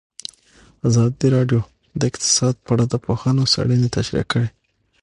ازادي راډیو د اقتصاد په اړه د پوهانو څېړنې تشریح کړې.